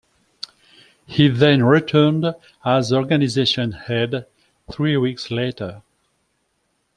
He then returned as organization head three weeks later.